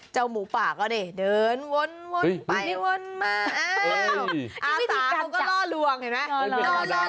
เจ้าหมูปาก็เดินวนไปอ้าวอาสาเขาก็ล่อลวงเห็นไหม